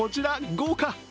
豪華！